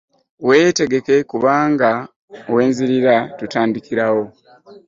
Weetegeke kubanga we nzirira tutandikirawo.